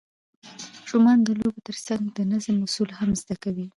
ماشومان د لوبو ترڅنګ د نظم اصول هم زده کوي